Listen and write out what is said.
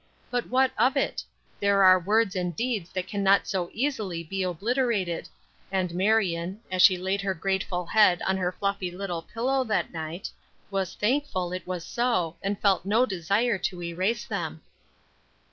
But what of it? There are words and deeds that can not so easily be obliterated; and Marion, as she laid her grateful head on her fluffy little pillow that night, was thankful it was so, and felt no desire to erase them.